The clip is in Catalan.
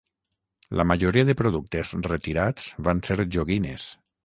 La majoria de productes retirats van ser joguines.